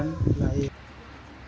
untuk mencoba mencoba kita harus mencoba